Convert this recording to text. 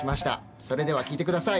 それでは聴いて下さい。